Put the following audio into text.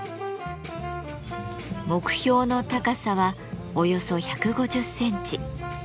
目標の高さはおよそ１５０センチ。